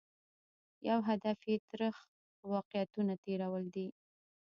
یو هدف یې ترخ واقعیتونه تېرول دي.